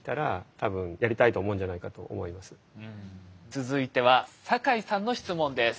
続いては坂井さんの質問です。